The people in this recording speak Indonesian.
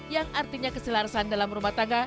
yang artinya keselarasan dalam rumah tangga